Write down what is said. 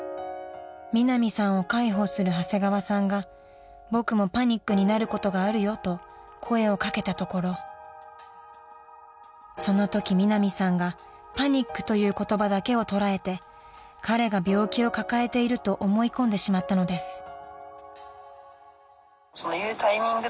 ［ミナミさんを介抱する長谷川さんが「僕もパニックになることがあるよ」と声を掛けたところそのときミナミさんが「パニック」という言葉だけを捉えて彼が病気を抱えていると思い込んでしまったのです］